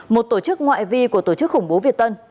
một tổ chức ngoại vi của tổ chức khủng bố việt tân